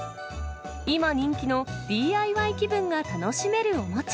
今人気のＤＩＹ気分が楽しめるおもちゃ。